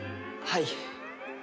はい。